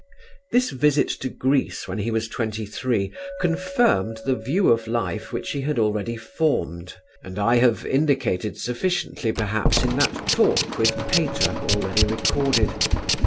This visit to Greece when he was twenty three confirmed the view of life which he had already formed and I have indicated sufficiently perhaps in that talk with Pater already recorded.